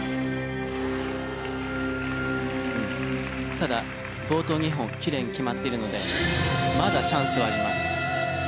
ただ冒頭２本キレイに決まっているのでまだチャンスはあります。